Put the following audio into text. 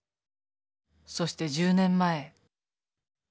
そして１０年前。